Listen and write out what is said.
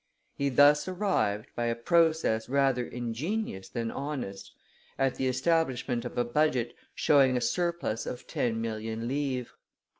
He thus arrived, by a process rather ingenious than honest, at the establishment of a budget showing a surplus of ten million livres.